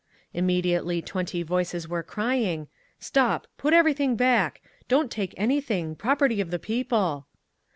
Immediately twenty voices were crying, "Stop! Put everything back! Don't take anything! Property of the People!"